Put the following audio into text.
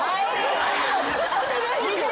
嘘じゃないです！